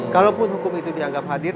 kalaupun hukum itu dianggap hadir